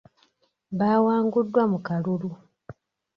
Baawanguddwa mu kalulu.